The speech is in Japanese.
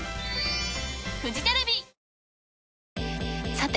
さて！